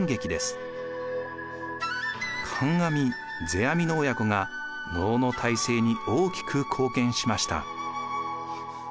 観阿弥世阿弥の親子が能の大成に大きく貢献しました。